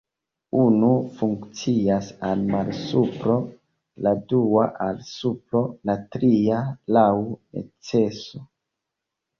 Unu funkcias al malsupro, la dua al supro, la tria laŭ neceso.